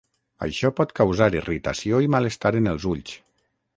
Això pot causar irritació i malestar en els ulls.